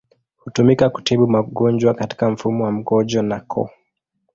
Hutumika kutibu magonjwa katika mfumo wa mkojo na koo.